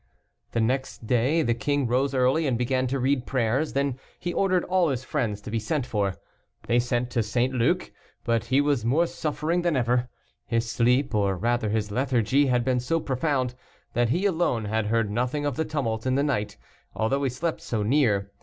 The next day the king rose early, and began to read prayers then he ordered all his friends to be sent for. They sent to St. Luc, but he was more suffering than ever. His sleep, or rather his lethargy, had been so profound, that he alone had heard nothing of the tumult in the night, although he slept so near.